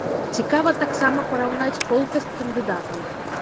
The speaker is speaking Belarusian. Цікава таксама параўнаць колкасць кандыдатаў.